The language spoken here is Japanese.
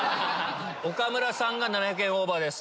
岡村さんが７００円オーバーです。